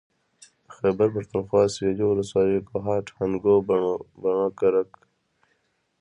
د خېبر پښتونخوا سوېلي ولسوالۍ کوهاټ هنګو بنو کرک